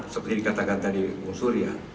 seperti dikatakan tadi bung surya